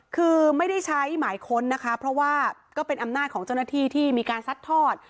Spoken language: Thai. คือไม่ได้ใช้หมายค้นนะคะเพราะว่าก็เป็นอำนาจของเจ้าหน้าที่ที่มีการซัดทอด